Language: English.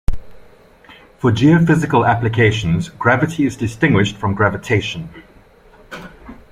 For geophysical applications, gravity is distinguished from gravitation.